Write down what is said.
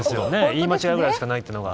言い間違えくらいしかないのは。